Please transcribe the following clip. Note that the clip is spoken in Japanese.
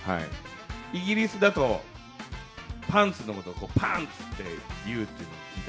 イギリスだと、パンツのことをパンツっていうのは聞いた。